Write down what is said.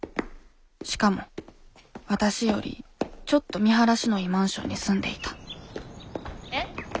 しかもわたしよりちょっと見晴らしのいいマンションに住んでいたえ？